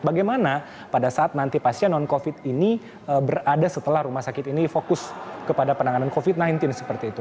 bagaimana pada saat nanti pasien non covid ini berada setelah rumah sakit ini fokus kepada penanganan covid sembilan belas seperti itu